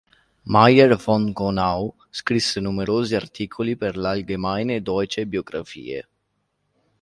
Meyer von Konau scrisse numerosi articoli per l'Allgemeine Deutsche Biographie.